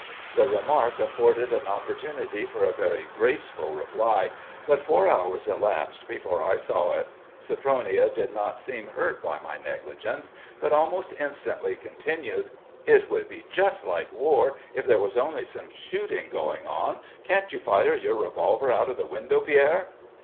The remark afforded an opportunity for a very graceful reply, but four hours elapsed before I saw it. Sophronia did not seem hurt by my negligence, but almost instantly continued: "It would be just like war, if there was only some shooting going on. Can't you fire your revolver out of the window, Pierre?"